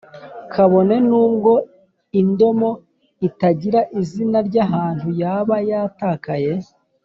kabone nubwo indomo itangira izina ry’ahantu yaba yatakaye.